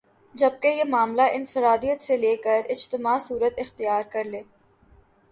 جبکہ یہ معاملہ انفراد عیت سے ل کر اجتماع صورت اختیار کر لے